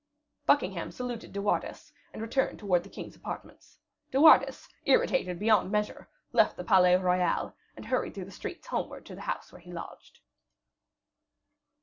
Buckingham saluted De Wardes, and returned towards the king's apartments; De Wardes, irritated beyond measure, left the Palais Royal, and hurried through the streets homeward to the house where he lodged.